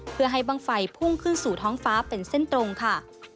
เพื่อให้บ้างไฟพุ่งขึ้นสู่ท้องฟ้าเป็นเส้นตรงค่ะ